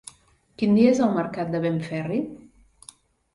Quin dia és el mercat de Benferri?